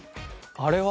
あれは？